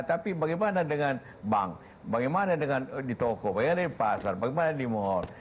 tapi bagaimana dengan bank bagaimana dengan di toko bagaimana di pasar bagaimana di mall